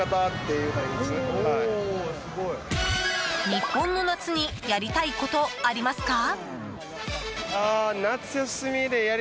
日本の夏にやりたいことありますか？